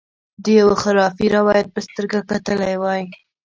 د یوه خرافي روایت په سترګه کتلي وای.